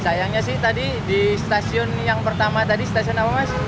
sayangnya sih tadi di stasiun yang pertama tadi stasiun apa mas